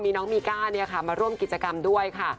มีน้องมีก้ามาร่วมกิจกรรมด้วยค่ะ